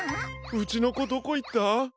うちのこどこいった？